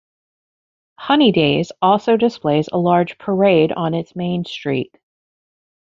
Honey Days also displays a large parade on its main street.